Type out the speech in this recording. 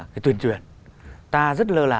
cái tuyển truyền ta rất lơ là